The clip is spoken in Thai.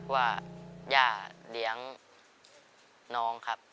ว่าย่าเลี้ยงน้องครับ